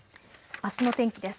あすの天気です。